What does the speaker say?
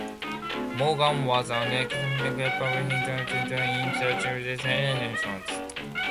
Morgan was an extremely capable hitter-especially in clutch situations.